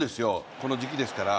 この時期ですから。